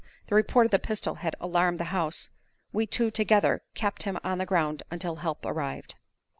The report of the pistol had alarmed the house. We two together kept him on the ground until help arrived.